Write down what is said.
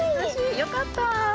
よかった。